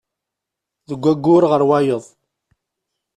Deg wayyur ɣer wayeḍ.